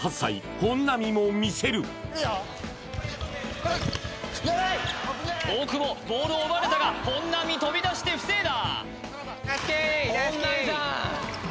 ここですると大久保ボールを奪われたが本並飛びだして防いだ